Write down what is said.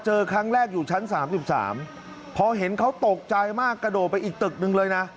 เจอครั้งแรกอยู่ชั้น๓๓พอเห็นเขาตกใจมากกระโดดไปอีกตึกหนึ่งเลยนะ